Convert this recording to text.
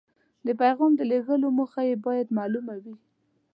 د پیغام د لیږلو موخه یې باید مالومه وي.